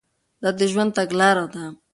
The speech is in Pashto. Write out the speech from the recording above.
دا د ژوند تګلاره ده.